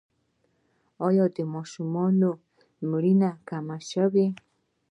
آیا د ماشومانو مړینه کمه شوې؟